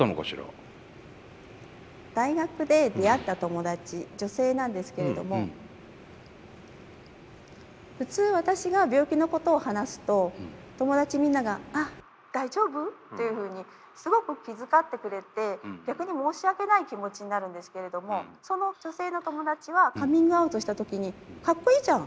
大学で出会った友達女性なんですけれども普通私が病気のことを話すと友達みんなが「あっ大丈夫？」というふうにすごく気遣ってくれて逆に申し訳ない気持ちになるんですけれどもその女性の友達はカミングアウトした時に「かっこいいじゃん！